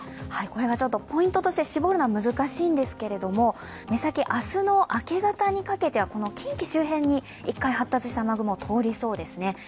これがちょっとポイントとして絞るのは難しいんですけれども、目先、明日の明け方にかけては近畿周辺に１回発達した雨雲、通りそうですね。